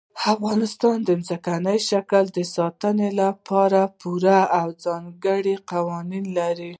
افغانستان د ځمکني شکل د ساتنې لپاره پوره او ځانګړي قوانین لري.